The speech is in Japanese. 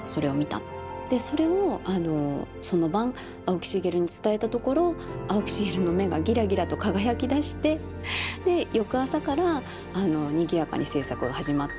でそれをその晩青木繁に伝えたところ青木繁の目がギラギラと輝きだしてで翌朝からにぎやかに制作が始まった。